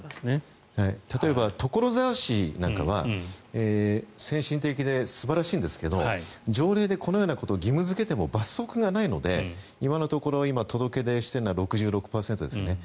例えば所沢市なんかは先進的で素晴らしいんですが条例でこのようなことを義務付けても罰則がないので今のところ届け出しているのは６６％ですよね。